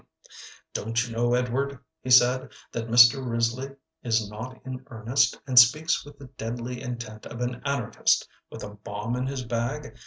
"Don't you know, Edward," he said, "that Mr. Risley is not in earnest, and speaks with the deadly intent of an anarchist with a bomb in his bag?